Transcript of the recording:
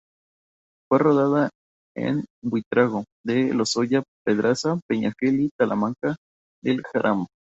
Fue rodada en Buitrago del Lozoya, Pedraza, Peñafiel y Talamanca del Jarama.